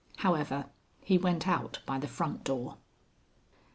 However, he went out by the front door.